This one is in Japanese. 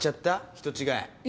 人違い。